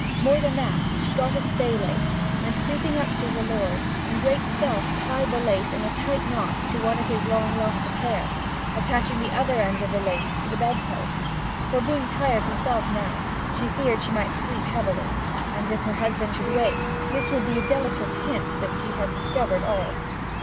More than that, she got a staylace, and, creeping up to her lord, in great stealth tied the lace in a tight knot to one of his long locks of hair, attaching the other end of the lace to the bedpost; for, being tired herself now, she feared she might sleep heavily; and, if her husband should wake, this would be a delicate hint that she had discovered all.